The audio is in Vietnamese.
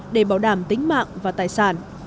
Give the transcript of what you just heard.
để bảo đảm tính mạng và tài sản